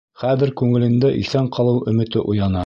Хәҙер күңелендә иҫән ҡалыу өмөтө уяна.